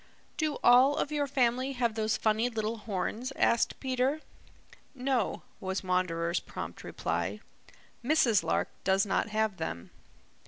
"Do all of your family have those funny little horns?" asked Peter. "No," was Wanderer's prompt reply. "Mrs. Lark does not have them."